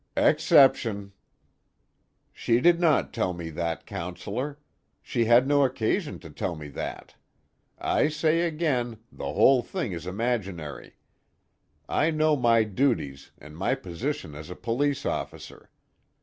_ "Exception." "She did not tell me that, Counselor. She had no occasion to tell me that. I say again, the whole thing is imaginary. I know my duties, and my position as a police officer.